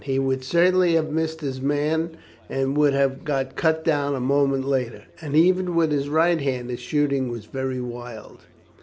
He would certainly have missed his man and would have got cut down a moment later, and even with his right hand his shooting was very wild."